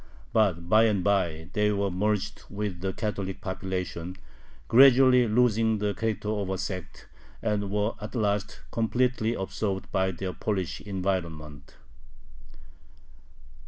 But by and by they were merged with the Catholic population, gradually losing the character of a sect, and were at last completely absorbed by their Polish environment.